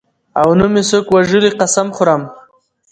او نه مې څوک وژلي قسم خورم.